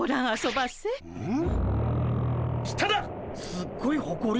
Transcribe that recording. すっごいほこり！